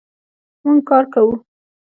مونږ کار کوو